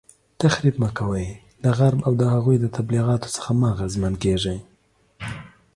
تخریب مه کوئ، د غرب او د هغوی د تبلیغاتو څخه مه اغیزمن کیږئ